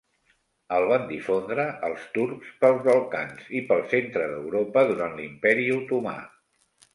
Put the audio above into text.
El van difondre els turcs pels Balcans i pel centre d'Europa durant l'Imperi Otomà.